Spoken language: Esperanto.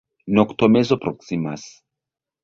Noktomezo proksimas.